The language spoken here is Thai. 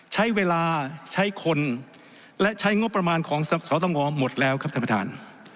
ใช้เวลาใช้คนและใช้งบประมาณของสตงหมดแล้วครับท่านประธาน